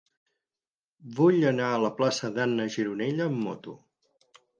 Vull anar a la plaça d'Anna Gironella amb moto.